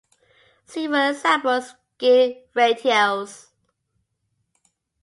See for example gear ratios.